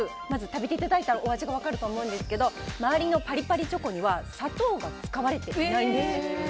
まず食べていただいたらお味が分かると思うんですが周りのパリパリチョコには砂糖が使われていないんです。